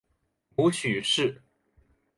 母许氏。